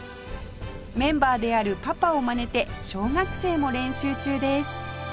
メンバーであるパパをマネて小学生も練習中です